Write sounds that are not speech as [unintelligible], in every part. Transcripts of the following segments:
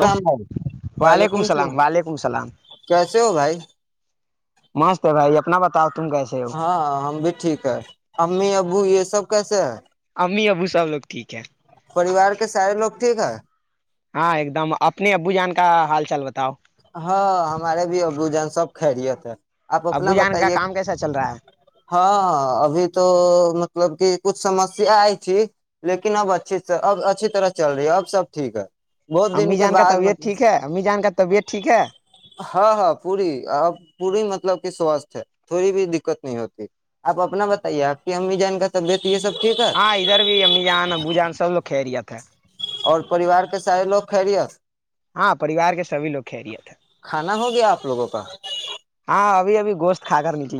رام بھائی وعلیکم السلام وعلیکم اللام کیسے ہو بھائی مست ہے بھائی اپنا بتا ہاں ہم بھی ٹھیک ہے امی ابو یہ سب کیسے امی ابو صاح لگتا پریوار کے سارے لوگ ٹھیک ہے ہاں ایک دم اپنے ابو جان کا حال چال بتاؤ س آپ ابو اپنا جان کا بتائیے کام کیسا چل رہا ہے ہاں ابھی تو مطلب کہ کچھ سمسیا آئی تھی لیکن اب اچھے سے اب اچھی طرح چل رہی ہے اب سب ٹھیک ہے بہت دن امی کے جان کا بعد طبیعت ٹھیک مطلب ہے امی جان کا طبیعت ٹھیک ہے ہاں ہاں پوری اب پوری مطلب کہ سوستھ ہے تھوڑی بھی دقت نہیں ہوتی آپ اپنا بتائیے آپ کی امی جان کا طبیعت یہ سب ٹھیک ہے ہاں ادھر بھی امی جان ابو جان سب لوگ خرییات ہے اور پریوار کے سارے لوگ خے رہیے ہاں پریوار کے سبھی لوگ خیریت ہے کھانا ہو گیا آپ لوگوں کا ب ابھی گوشتھا کر نہیں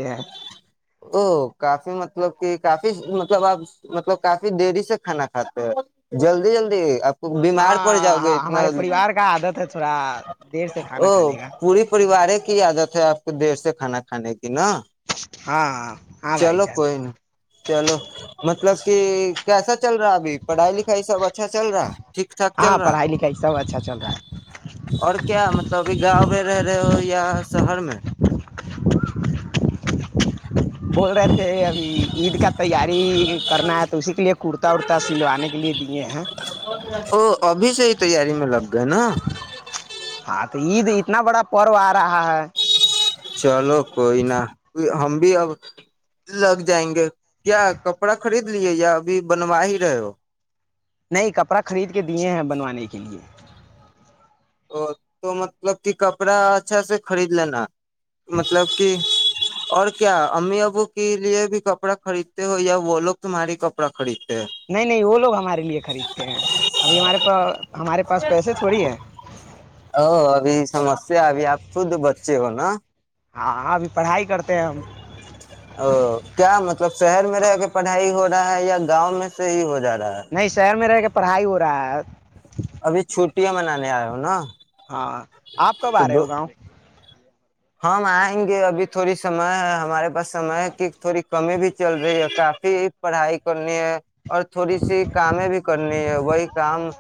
ا کافی مطلب کہ کافی ب آپ مطلب کافی دری سے کھانا کھاتے ہیں جلدی جلدی آپ بیمار پڑ جاؤ ہاں گے ہاں اتنا ہمارے پریوار کا عادت ہے تھوڑا دیر سے کھانا او کھانے کا پوری پریوار کی عادت ہے آپ کو دیر سے کھانا کان کہ ن ہاں ہاں ہاں بھائی چلو جان کوئی نہیں چلو مطلب کہ کیسا چل رہا ابھی پڑھائی لکھائی سب اچھا چل رہا ٹھیک ٹھاک چل ہاں رہا پڑھائی لکھائی سب اچھا چل رہا ہے اور کیا مطلب ابھی گاؤں میں رہ رہے ہو یا شہر میں بول رہے تھے ابھی عید کا تیاری کرنا ہے تو اسی کے لیے کرتا ارتا سلوانے کے لیے دیے ہیں او ابھی سے ہی تیاری میں لگ گئے نا ہاں تو عید اتنا بڑا پرو آ رہا ہے چلو کوئی ن ہم بھی اب لگ جائیں گے کیا کپڑا خرید س لیے ابھی بنوا ہی رہے ہو نہیں کپڑا خرید کے دیے ہیں بنوانے کے لیے ا تو مطلب کہ کپڑا اچھا سے خرید لینا مطلب کہ اور کیا امی ابو کے لیے بھی کپڑا خریدتے ہو یا وہ لوگ تمہاری کپڑا خریدتے ہیں نہیں نہیں وہ لوگ ہمارے لیے خریدتے ہیں ابھی ہمارے پا ہمارے پاس پیسے تھوڑی ہیں او ابھی سمسیا ا آپ خود بچے ہو نا ہاں ابھی پڑھائی کرتے ہیں ہم او کیا مطلب شہر میں رہ کے پڑھائی ہو ہے یا گاؤں میں سے ہی ہو جاتا نہیں شہر میں رہ کے پڑھائی ہو رہا ہے ابھی چھوٹ کیا منانے آئے ہو نا ہاں آپ کب آ رہے تو ہو گاؤں ہم آئیں گے ابھی تھوڑی سمئے ہے ہمارے پاس سمے کی تھوڑی کمی بھی چل رہی ہے کاف پڑھائی کرنی ہے اور تھوڑی سی کام بھی کرنی ہے وہی کام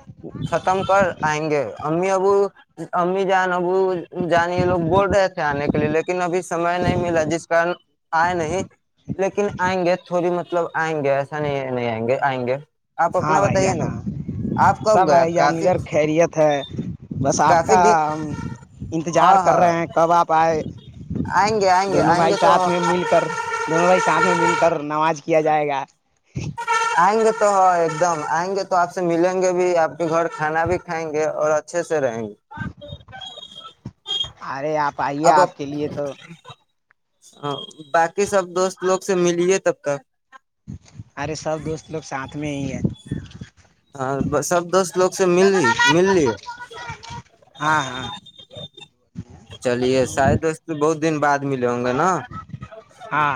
ختم کر آئیں گے امی ابو امی جان ابو جان یہ لوگ بورڈ آنے کے لیے لیکن ابھی سمئے نہیں ملا جس کارن آئے نہیں لیکن آئیں گے تھوڑی مت مطلب آئیں گے ایسا نہیں نہیں آئیں گے آئیں گے آپ ہاں اپنا بھائی بتائیے نا جانا آپ سب کب گیا بھائی جان کافی ادھر خیریت ہے بس آپ کافی کا دن ہم انتظار ہاں کر ہاں رہے ہیں کب آپ آئیں گے آئیں گے دونوں آئیں بھائی گے ساتھ تو میں مل کر دونوں بھائی ساتھ میں مل کر نماز کیا جائے گا آئیں گے تو ہاں ایک دم آئیں گے تو آپ سے ملیں گے بھی آپ کے گھر کھانا بھی کھائیں گے اور اچھے سے رہیں گے ارے آپ پائیے آپ کے لیے تو ا باقی سب دوست لوگ سے ملی تب تک ارے سب دوست لوگ ساتھ میں ہی ہیں ہاں ب سب دوست لوگ سے م مل ہاں ہاں چلیے شاید دوست تو بہت دن بعد ملے ہوں گا نا ہاں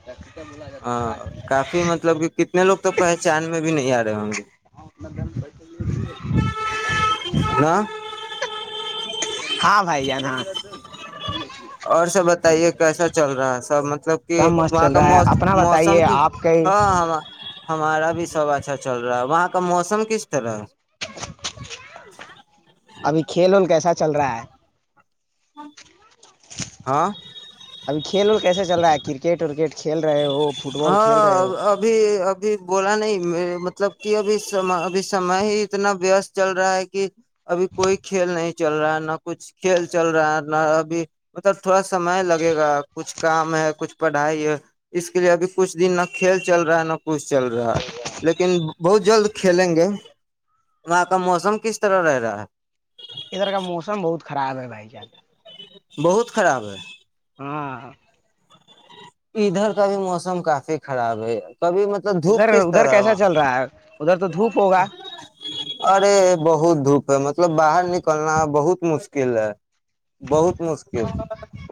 [inaudible] ہ کافی مطلب کہ کتنے لوگ تو پہچان میں بھی نہیں آ رہے ہوں گے ہ ہاں بھائی جان ہاں اور سب بتائیے کیسا چل رہا ہے سب مطب مطلب کہ سب مست وہاں چل کا رہا م ہے اپنا موسم بتائیے کی آپ کے ہاں ہاں ہمارا بھی سب اچھا چل رہا ہے وہاں کا موسم کس طرح ہے ابھی کھیل ول کیسا چل رہا ہے ہاں ہاں ابھی کھیل ول کیسے چل رہا ہے کرکٹ ورکٹ کھیل رہے ہو فٹ بال کھیل رہے ہاں ہو ابھی ابھی بولا نہیں مطلب کہ ابھی س ابھی سمے ہی اتنا ویست چل رہا ہے کہ ابھی کوئی کھیل نہیں چل رہا ہے نہ کچھ کھیل چل رہا ہے نہ ابھی مطلب تھوڑا سمے لگے گا کچھ کام ہے کچھ پڑھائی ہے اس کے لیے ابھی کچھ دن نہ کھیل چل رہا ہے نہ کچھ چل رہا ہے لیکن بہت جلد کھیلیں گے وہاں کا موسم کس طرح رہ رہا ہے ادھر کا موسم بہت خراب ہے بھائی جان بہت خراب ہے ہاں ادھر کا بھی موسم کافی خراب ہے کبھی مطلب ادھر دھوپ کس ادھر طرح ہے کیسا وہاں چل رہا ہے ادھر تو دھوپ ہوگا ارے بہت دھوپ ہے مطلب باہر نکلنا بہت مشکل ہے بہت مشکل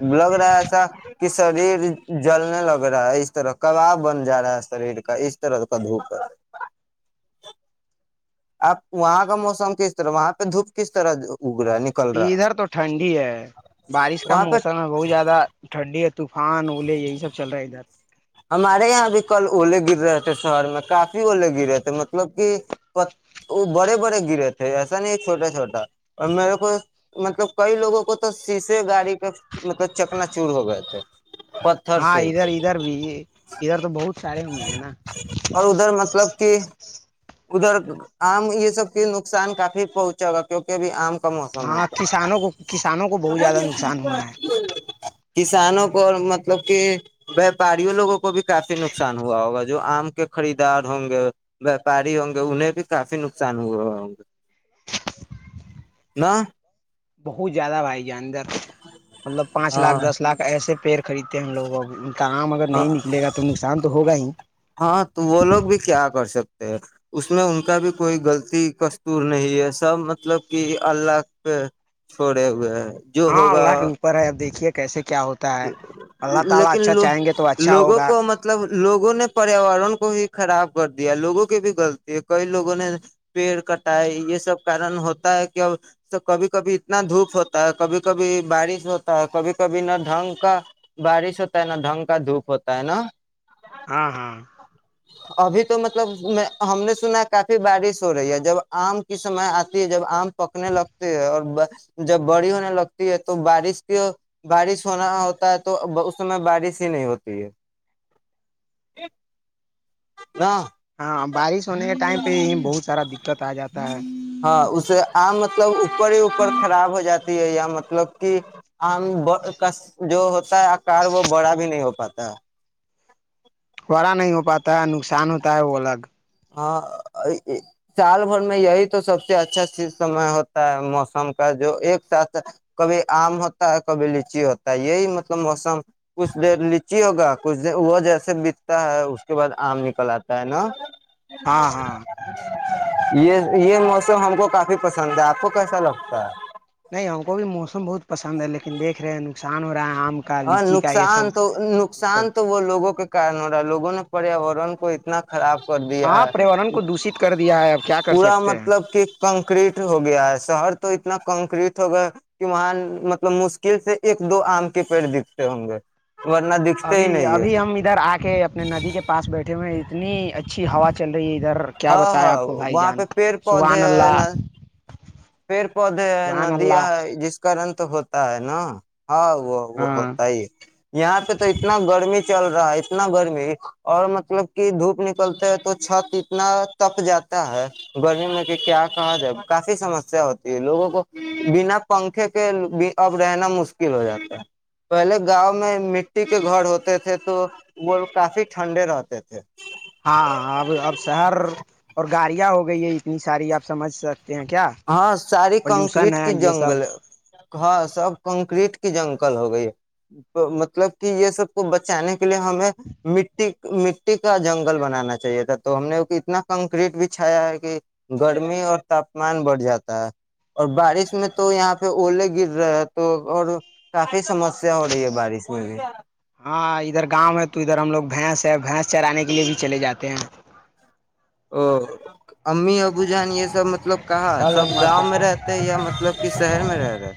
ب لگ رہا ہے ایسا کہ شریر جلنے لگ رہا ہے اس طرح کباب بن جا رہا ہے شریر کا اس طرح کا دھوپ ہے آپ وہاں کا موسم کس طرح وہاں پہ دھوپ کس طرح جو ادھر تو ٹھنڈ ہی ہے بارش کا وہاں پہ موسم ہے بہت زیادہ ٹھنڈی طوفان اولے یہی سب چل رہا ہے ادھر ہمارے یہاں بھی کل اوولے گر رہے تھے شہر میں کافی الے گرے تھے مطلب کہ وہ بڑے بڑے گرے تھے ایسا نہیں چھوٹا چھوٹا اور میرے کو مطلب کئی لوگوں کو تو شیشے گاڑی کا مطلب چکنا چور ہو گئے تھے پتھر ہاں سے اھر اار بھی ادھر تو بہت سارے ہوئے ہیں نا اور ادھر مطلب کہ ادھر آم یہ سب کے نقصان کافی پہنچے گا کیوںکہ ابھی آم کا موسم ہے ہاں کسانوں کو کسانوں کو بہت زیادہ نقصان ہوا ہے کسانوں کو مطلب کہ ویاپاریوں لوگوں کو کو بھی کافی نقصان ہوا ہوگا جو آم کے خریدار ہوں گے ویاپاری ہوں گے انہیں بھی کافی نقصان ہوا ہوگا نہ بہت زیادہ بھائی ج اندر مطلب پانچ لاکھ دس ہاں لاکھ ایسے پڑ خریدتے ہیں ہم لوگ اب کام اگر نہیں نکلے گا تو نقصان تو ہوگا ہی ہاں تو وہ لوگ بھی کیا کر سکتے ہیں اس میں ان کا بھی کوئی غلطی کستور نہیں ہے سب مطلب کہ اللہ پہ چھوڑے ہوئے ہے ہاں اللہ کے اوپر ہے اب دیکھیے کیسے کیا ہوتا ہے اللہ تعالی اچھا لیکنو چاہیں گے تو اچھا لوگوں ہوگا کو مطلب لوگوں نے پریاور کرن کو ہی خراب کر دیا لوگوں کی بھی غلط ہے کئی لوگوں نے پیڑ کٹائے یہ سب کارن ہوتا ہے کہ اب کبھی کبھی اتنا دھوپ ہوتا ہے کبھی کبھی بارش ہوتا ہے کبھی کبھی نہ ڈھنگ کا بارش ہوتا ہے نہ ڈھنگ کا دھوپ ہوتا ہے نا ہاں ہاں ابھی تو مطلب ہم نے سنا ہے کافی بارش ہو رہی ہے جب آم کی سمے آتی ہے جب آم پکنے لگتے ہے اور جب بڑی ہونے لگتی ہے تو بارش کی بارش ہونا ہوتا ہے تو اس سمے بارش ہی نہیں ہوتی ہے نا ہاں بارش ہونے کے ٹائم پہ یہ بہت سارا دقت آ جاتا ہے ہاں اسے آ مطلب اپر ہی اوپر خراب ہو جاتا ہے یا مطلب کہ آم کا جو ہوتا [unintelligible] آار وہ بڑا بھی نہیں ہو پاتا تا خڑا نہیں ہو پاتا ہے نقصان ہوتا ہے وہ الگ ہاں سال بھر میں یہی تو سب سے اچھا سمے ہوتا ہے موسم کا جو ایک ساتھ کبھی آم ہوتا ہے کبھی لیچی ہوتا ہے یہی مطلب موسم کچھ دیر نچی ہوگا کچھ د وہ جیسے بتتا ہے اس کے بعد آم نکل آتا ہے نا ہاں ہاں یہ یہ موسم ہم کو کافی پسند ہے آپ کو کیسا لگتا ہے نہیں ہم کو بھی موسم بہت پسند ہے لیکن دیکھ رہے ہیں نقصان ہو رہا ہے آم کا ہاں لیچی کا یہ سب نقصان تو یہ سب نقصان تو وہ لوگوں کے کارن ہو رہا ہے لوگوں نے پریاورن کو اتنا خراب کر دیا ہاں ہے پریاورن کو دوشت کر دیا ہے اب کیا کر پورا سکتے ہیں مطلب کہ کنکریٹ ہو گیا ہے شہر تو اتنا کنکریٹ ہو گئے کہ وہاں مطلب مشکل سے ایک دو آم کے پیڑ دکھتے ہوں گے دکھتے ہی ابھی نہیں ہے ابھی ہم ادھر آ کے اپنے ندی کے پاس بیٹھے ہوئے اتنی اچھی ہوا چل رہی ہے ادھر کیا ہاں بتایا ہاں آپ کو بھائی وہاں جان پہ پیڑ سبحان پودے ہے اللہ نہ پیڑ پودے ہے سبحان ندیاں اللہ ہے جس کرن تو ہوتا ہے نا ہاں وہ وہ ہاں ہوتا ہی ہے یہاں پہ تو اتنا گرمی چل رہ رہا اتنا گرمی اور مطلب کہ دھوپ نکلتا ہے تو چھت اتنا تپ جاتا ہے گرمی میں کہ کیا کہا جائے کافی سمس ہوتی ہے لوگوں کو بنا پنکھے کے اب رہنا مشکل ہو جاتا ہے پہلے گاؤں میں مٹی کے گھر ہوتے تھے تو وہ کافی ٹھنڈے رہتے تھے ہاں اب اب شہر اور گاڑیاں ہو گئی ہے اتنی ساری آپ سمجھ سکتے ہیں کیا ہاں ساری پولوشن کنکریٹ ہے کی یہ سب جنگل ہے ہاں سب کنکریٹ کی جنگل ہو گئی مطلب کہ یہ سب کو بچانے کا لیے ہمیں مٹی مٹی کا جنگل بنانا چاہیے تھا تو ہم نے اتنا کنکریٹ بھی چھایا ہے کہ گرمی اور تاپ مان بڑھ جاتا ہے اور بارش میں تو یہاں پہ اولے گر رہے ہے تو اور کافی سمس ہاں ادھر گاؤں ہے تو ادھر ہم لوگ بھینس بھینس چرانے کے لیے بھی چلے جاتے ہیں ہاں امی ابو جان یہ سب مطلب کہا سب لوگ مست گاؤں میں ہے، رہتے یا مطلب کہ شہر میں رہ رہا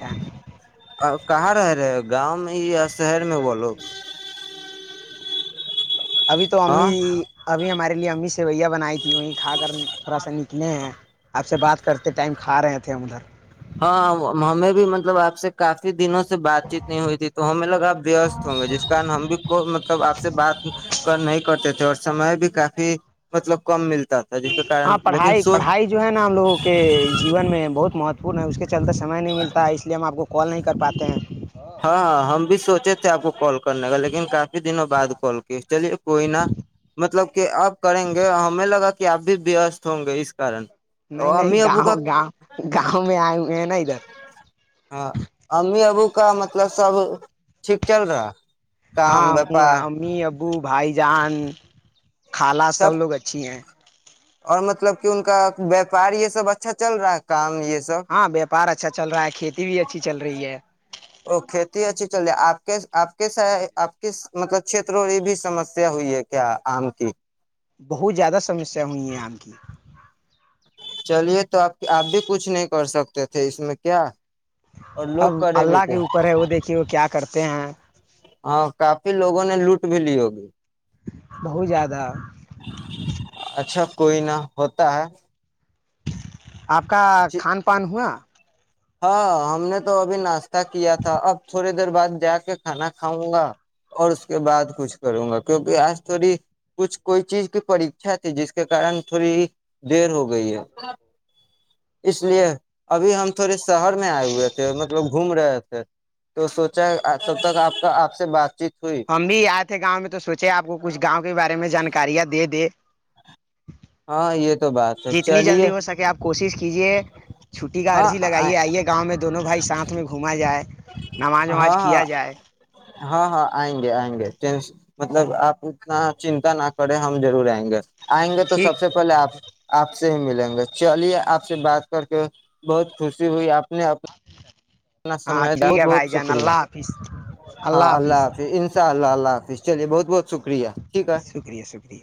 ا اور کہاں رہ رہے گاؤں میں یہ شہر میں بولو ابھی تو امی ہاں ابھی ہمارے لیے امی سویا بنائی تھی وہیں کھا کر تھوڑا سا نکلے ہیں آپ سے بات کرتے ٹائم کھا رہے تھے ادھر ہاں ہمیں بھی مطلب آپ سے کافی دنوں سے سے بات چیت نہیں ہوئی تھی تو ہمیں لگاپ وست ہوں گے جس کن ہم بھی کو مطلب آپ سے بات نہیں کرتے تھے اور سمے بھی کافی مطلب کم ملتا تھا جس کے کارن ہاں لیکن پڑھائی سو پڑھائی جو ہے نا ہم لگوں کے جیون میں بہت مہتوپورن ہے اس کے چلتا سمئے نہیں ملتا ہے اس لیے ہم آپ کو کال نہیں کر پاتے ہیں ہاں ہاں ہم بھی سوچے تھ آپ کو کال کرنے کا لیکن کافی دنوں بعد کال کی چلیے کوئی نا مطلب کہ آپ کریں گے ہمیں لگا تو کہ اب بھی وست ہوں گے اس کارن نہیں اور نہیں امی ابو کا گاؤں گاؤں گاؤں میں آئے ہوئے ہیں نا ادھر ہاں امی ابو کا مطلب سب ٹھیک چل رہا ہے ہاں ابو بھائی جان خالہ سب لوگ اچھی ہیں اور مطلب کہ ان کا ویاپار یہ سب اچھا چل رہا ہے کام یہ سب ہاں ویاپار اچھا چل رہا ہے کھیتی بھی اچھی چل رہی ہے اور کھیتی اچھی چل رہی ہے آپ کے س آپ کے مطلب چھیتروں کی بھی سمسیا ہوئی ہے کیا آم کی بت بہت زیادہ سمسیا ہوئی ہیں آم کی چلیے تو آپ آپ بھی کچھ نہیں کر سکتے تھے اس میں کیا اور لوگ اب کرے بھی اللہ کے کیا اوپر ہے وہ دیکھیے وہ کیا کرتا تے ہیں ہاں کافی لوگوں نے لوٹ بھی لی ہوگی بہت زیادہ اچھا کوئی نہ ہوتا ہے آپ کا کھان پان ہوا ہاں ہم نے تو ابھی ناشتہ کیا تھا اب تھوڑی دیر بعد جا کے کھانا کھاؤں گا اور اس کے بعد کچھ کروں گا کیونکہ آج تھوڑی کچھ کوئی چیز کی پریھا تھی جس کے کارن تھوڑی دیر ہو گئی ہے اس لیے ابھی ہم تھوڑے شہر میں آئے ہوئے تھے مطلب گھوم رہے تھے تو سوچا تب تک آپ کا آپ سے بات چیت ہوئی ہم بھی آئے تھے گاؤں میں تو سوچے آپ کو کچھ گاؤں کے بارے میں جانکاریاں دے دے ہاں یہ تو بات ہے جتنی چلیے جلدی ہو سکے آپ کوشش کیجے چھٹی کا ہاں عرضی ہاں لگائیے آئیے گاؤں میں دونوں بھائی ساتھ میں گھما جائے نماز وماز ہاں ہاں کیا جائے ہاں ہاں آئیں گے آئیں گے مطلب آپ اتنا چنتا نہ کریں ہم ضرور آئیں گے آئیں گے تو سب ٹھیک سے پہلے آپ آپ سے ہی ملیں گے چلیے آپ سے بات کر کے بہت خوشی ہوئی آپ نے انا سم ہاں ٹھیک بہت ہے بہت بھائی جان شکریہ اللہ حافظ ہاں اللہ حافظ ان شاء اللہ اللہ حافظ چ بہت بہت شکریہ ٹھیک ہے شکریہ شکریہ